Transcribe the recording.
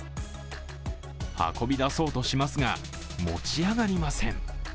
運びだそうとしますが持ち上がりません。